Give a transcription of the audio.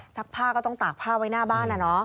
ผ้าก็ต้องตากผ้าไว้หน้าบ้าน